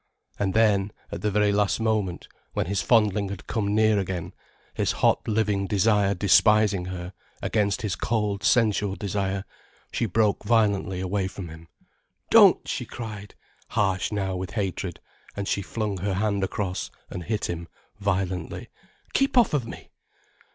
And then, at the very last moment, when his fondling had come near again, his hot living desire despising her, against his cold sensual desire, she broke violently away from him. "Don't," she cried, harsh now with hatred, and she flung her hand across and hit him violently. "Keep off of me."